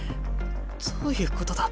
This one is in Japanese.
どういうことだ。